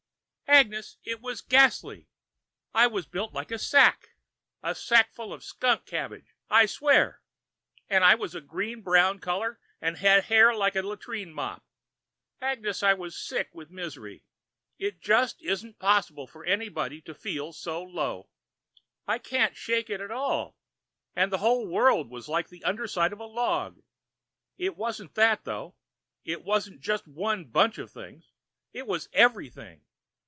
"Agnes, it was ghastly. I was built like a sack. A sackful of skunk cabbage, I swear. And I was a green brown color and had hair like a latrine mop. Agnes, I was sick with misery. It just isn't possible for anybody to feel so low. I can't shake it at all. And the whole world was like the underside of a log. It wasn't that, though. It wasn't just one bunch of things. It was everything.